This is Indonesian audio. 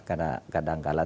karena kadang kadang kalah